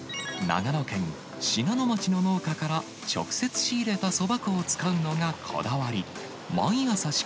長野県信濃町の農家から、直接仕入れたそば粉を使うのがこだわり。